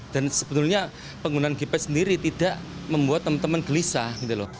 dan sebetulnya penggunaan gps sendiri tidak membuat teman teman gelisah